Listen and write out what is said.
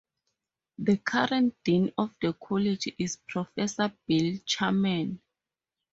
The current Dean of the College is Professor Bill Charman.